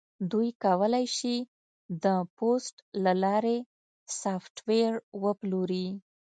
دوی کولی شي د پوست له لارې سافټویر وپلوري